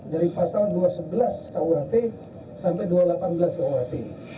dari pasal dua ratus sebelas kuhp sampai dua ratus delapan belas kuhp